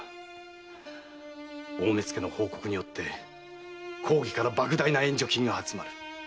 大目付の報告によって公儀から莫大な援助金が集まる。